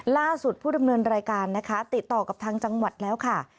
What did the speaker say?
ล่าสุดผู้ดำเนินรายการติดต่อกับทั้งจังหวัดแล้ว